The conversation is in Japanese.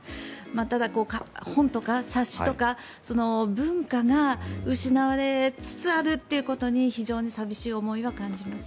ただ、本とか冊子とか文化が失われつつあるということに非常に寂しい思いは感じます。